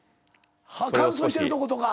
乾燥してるとことか。